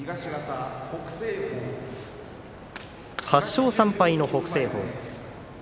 ８勝３敗の北青鵬です。